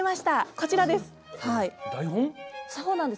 こちらです。